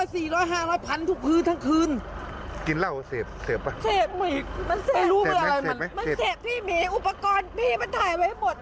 อ๋อเสพไว้หมดเลย